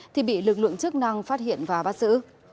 thì bị lực lượng chức năng phát hiện và bắt giữ